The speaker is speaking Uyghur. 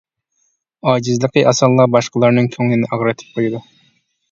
ئاجىزلىقى: ئاسانلا باشقىلارنىڭ كۆڭلىنى ئاغرىتىپ قويىدۇ.